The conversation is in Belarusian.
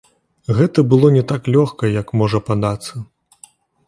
Гэта было не так лёгка, як можа падацца.